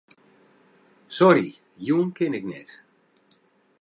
Sorry, jûn kin ik net.